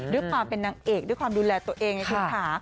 ด้วยความเป็นนางเอกด้วยความดูแลตัวเองไงคุณค่ะ